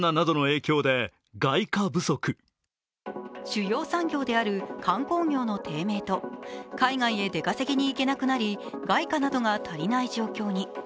主要産業である観光業の低迷と海外へ出稼ぎに行けなくなり外貨などが足りない状況に。